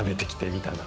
みたいな。